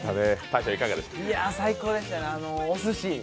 最高でしたね、お寿司。